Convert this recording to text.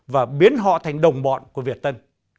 và biến họ thành đồng bọn của việt tân